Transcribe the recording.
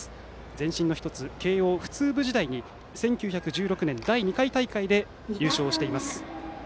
前身の１つ、慶応普通部時代に１９１６年、第２回大会で優勝をしています。